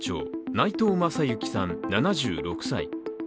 内藤政行さん、７６歳。